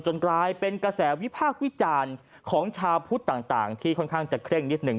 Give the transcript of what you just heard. กลายเป็นกระแสวิพากษ์วิจารณ์ของชาวพุทธต่างที่ค่อนข้างจะเคร่งนิดหนึ่ง